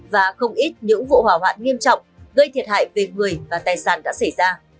và không ít những vụ hỏa hoạn nghiêm trọng gây thiệt hại về người và tài sản đã xảy ra